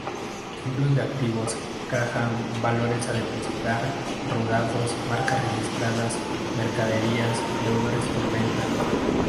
Ejemplos de activos: Caja, Valores a depositar, Rodados, Marcas Registradas, Mercaderías, Deudores por venta.